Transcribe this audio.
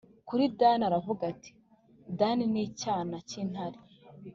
Kuri Dani aravuga ati Dani ni icyana cy intare